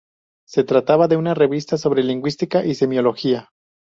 Se trataba de una revista sobre lingüística y semiología.